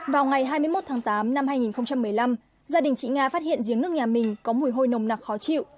vào ngày hai mươi một tháng tám năm hai nghìn một mươi năm gia đình chị nga phát hiện giếng nước nhà mình có mùi hôi nồng nặc khó chịu